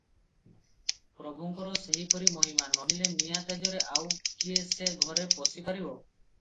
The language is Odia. ପ୍ରଭୁଙ୍କର ସେହିପରି ମହିମା, ନୋହିଲେ ନିଆଁ ତେଜରେ ଆଉ କିଏ ସେ ଘରେ ପଶି ପାରିବ?